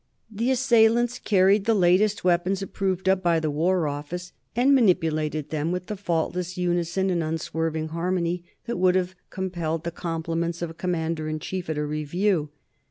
The assailants carried the latest weapons approved of by the War Office, and manipulated them with the faultless unison and unswerving harmony that would have compelled the compliments of a commander in chief at a review.